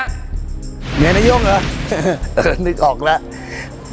กิเลนพยองครับ